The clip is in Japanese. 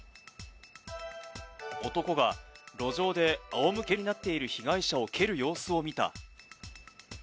男が路上であおむけになっている被害者を蹴る様子を見た。